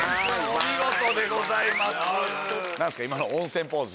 お見事でございます。